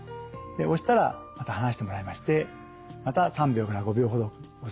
押したらまた離してもらいましてまた３秒から５秒ほど押す。